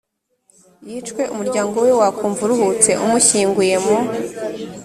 yicwe umuryango we wakumva uruhutse umushyinguye mu